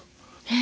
え？